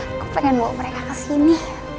aku pengen bawa mereka kesini